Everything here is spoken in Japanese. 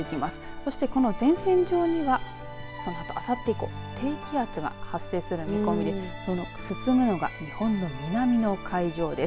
そして、この前線上にはそのあとあさって以降低気圧が発生する見込みで進むのが日本の南の海上です。